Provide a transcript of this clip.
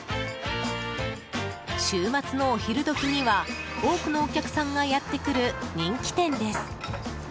週末のお昼時には多くのお客さんがやってくる人気店です。